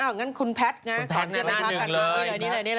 องั้นคุณแฟทแหละ